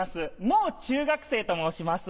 もう中学生と申します。